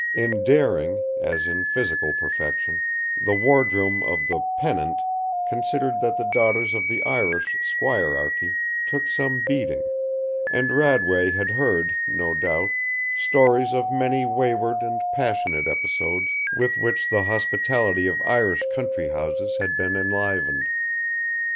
In daring, as in physical perfection, the wardroom of the Pennant considered that the daughters of the Irish squirearchy took some beating; and Radway had heard, no doubt, stories of many wayward and passionate episodes with which the hospitality of Irish country houses had been enlivened.